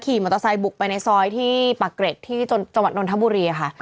ขี่มอเตอร์ไซค์บุกไปในซอยที่ปากเกร็ดที่จนจังหวัดนทบุรีค่ะ